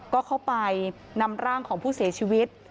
ก็เข้าไปนำร่างของผู้เสียชีวิต